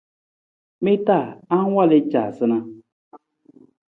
Mi ta anang wal i caasunaa?